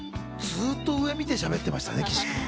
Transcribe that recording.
ずっと上見てしゃべってましたね、岸君。